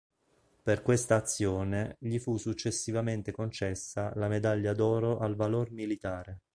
Per questa azione gli fu successivamente concessa la Medaglia d'oro al valor militare.